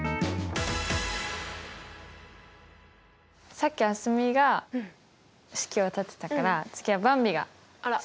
さっき蒼澄が式を立てたから次はばんびが式を立てる！